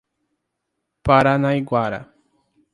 Paranaiguara